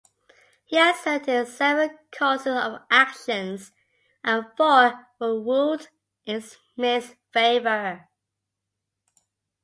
He asserted seven causes of action, and four were ruled in Smith's favor.